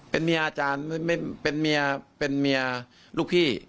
เป็นเมียอาจารย์เป็นเมียลูกพี่